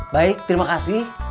baik terima kasih